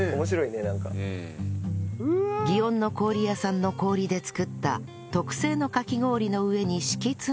祇園の氷屋さんの氷で作った特製のかき氷の上に敷き詰めたら